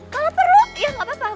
kalau perlu ya gak apa apa